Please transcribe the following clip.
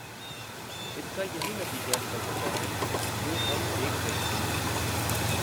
اس کا یہی نتیجہ نکل سکتا ہے جو ہم دیکھ رہے ہیں۔